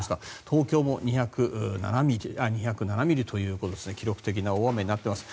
東京も２０７ミリということで記録的な大雨になっています。